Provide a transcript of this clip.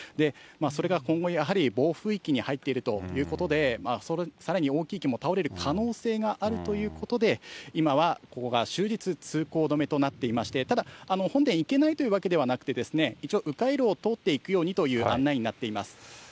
それが今後、やはり暴風域に入っているということで、さらに大きい木も倒れる可能性があるということで、今はここが終日、通行止めとなっておりまして、ただ、本殿、行けないというわけではなくて、一応、う回路を通っていくようにという案内になっています。